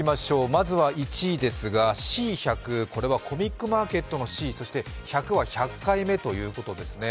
まずは１位ですがＣ１００これはコミックマーケットの１００そして１００は１００回目ということですね。